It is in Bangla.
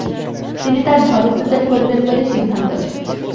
তিনি তার ধর্ম প্রচার করবেন বলে সিদ্ধান্ত নেন।